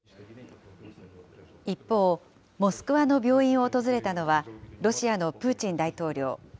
一方、モスクワの病院を訪れたのは、ロシアのプーチン大統領。